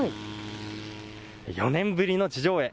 ４年ぶりの地上絵。